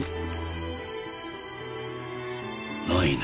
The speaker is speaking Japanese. ないな。